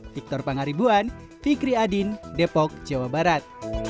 victor pangaribuan fikri adin depok jawa barat